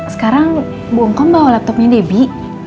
sekarang bu ngom bawa laptopnya debbie